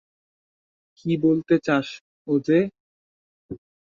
কী বলতে চাস, ওজে?